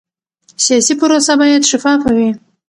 سیاسي پروسه باید شفافه وي